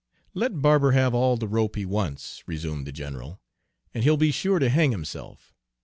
"Let Barber have all the rope he wants," resumed the general, "and he'll be sure to hang himself.